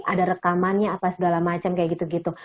ada rekamannya apa segala macam kayak gitu gitu